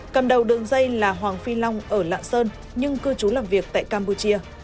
cầm đầu đường dây là hoàng phi long ở lạng sơn nhưng cư trú làm việc tại campuchia